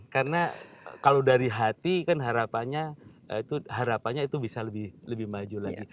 karena kalau dari hati kan harapannya itu bisa lebih maju lagi